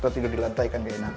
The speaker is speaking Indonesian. tidur di lantai kan gak enak